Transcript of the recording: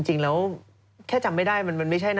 จริงแล้วแค่จำไม่ได้มันไม่ใช่นะ